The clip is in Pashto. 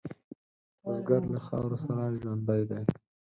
بزګر له خاورو سره ژوندی دی